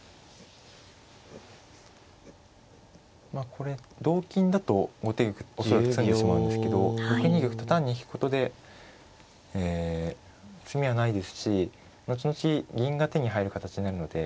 まあこれ同金だと後手玉恐らく詰んでしまうんですけど６二玉と単に引くことでえ詰みはないですし後々銀が手に入る形になるので。